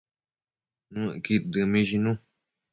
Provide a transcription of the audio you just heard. Nuëcqud dëmishnu